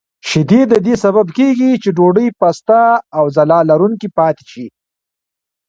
شیدې د دې سبب کېږي چې ډوډۍ پسته او ځلا لرونکې پاتې شي.